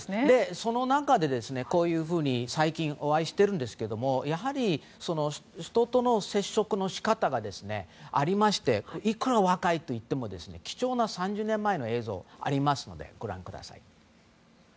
その中でこういうふうに最近、お会いしていますがやはり人との接触の仕方がありましていくら若いといっても貴重な３０年前の映像がありますのでご覧ください。